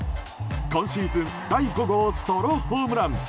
今シーズン第５号ソロホームラン。